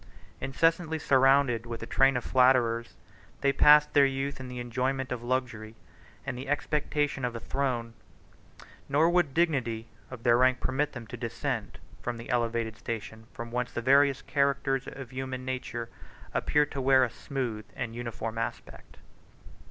Incessantly surrounded with a train of flatterers, they passed their youth in the enjoyment of luxury, and the expectation of a throne; nor would the dignity of their rank permit them to descend from that elevated station from whence the various characters of human nature appear to wear a smooth and uniform aspect.